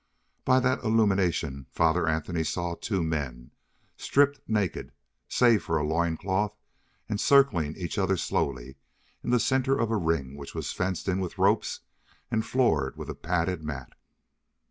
By that illumination Father Anthony saw two men stripped naked, save for a loincloth, and circling each other slowly in the center of a ring which was fenced in with ropes and floored with a padded mat.